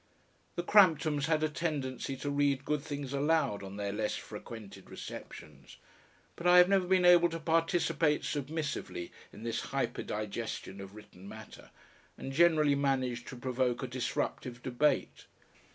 The Cramptons had a tendency to read good things aloud on their less frequented receptions, but I have never been able to participate submissively in this hyper digestion of written matter, and generally managed to provoke a disruptive debate.